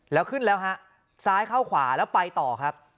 แล้วขึ้นแล้วฮะซ้ายเข้าขวาแล้วไปต่อครับ